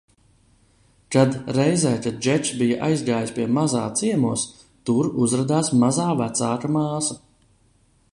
Kad, reizē kad Džeks bija aizgājis pie Mazā ciemos, tur uzradās Mazā vecāka māsa.